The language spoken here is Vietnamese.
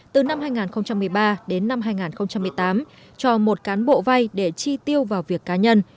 từ năm hai nghìn một mươi ba đến năm hai nghìn một mươi tám cho một cán bộ vay để chi tiêu vào việc cá nhân